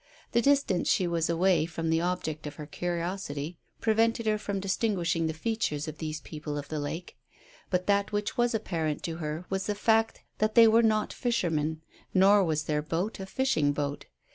The distance she was away from the object of her curiosity prevented her distinguishing the features of these people of the lake; but that which was apparent to her was the fact that they were not fishermen, nor was their boat a fishing boat.